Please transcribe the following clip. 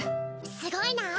すごいなぁ